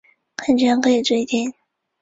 感觉可以住一天